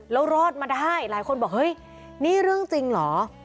แล้วรอดมาได้หลายคนบอกเฮ้ยนี่เรื่องจริงเหรอ